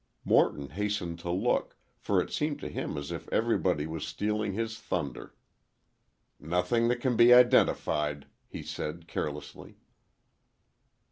Morton hastened to look, for it seemed to him as if everybody was stealing his thunder. "Nothing that can be identified," he said, carelessly.